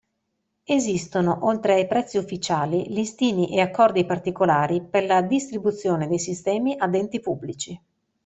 Esistono, oltre ai prezzi ufficiali, listini e accordi particolari per la distribuzione dei sistemi ad enti pubblici.